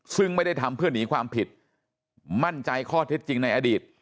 ซึ่งไม่ได้ทำเพื่อหนีความผิดมั่นใจข้อเท็จจริงในอดีต